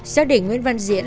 giác định nguyễn văn diễn